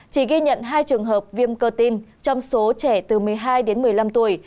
chỉ ghi nhận hai trường hợp viêm cơ tim trong số trẻ từ một mươi hai đến một mươi năm tuổi